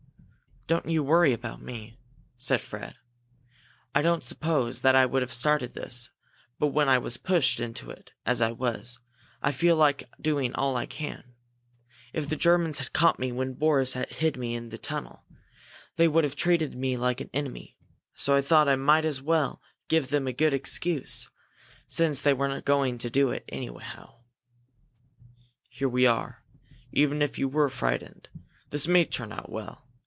"Don't you worry about me!" said Fred. "I don't suppose that I would have started this, but when I was pushed into it as I was, I feel like doing all I can. If the Germans had caught me when Boris hid me in the tunnel, they would have treated me like an enemy, so I thought I might as well give them a good excuse, since they were going to do it anyhow." "Here we are," said Ivan. "Even if you were frightened, this may turn out well.